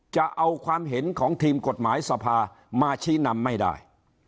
จะเอาความเห็นของทีมกฎหมายสภามาชี้นำไม่ได้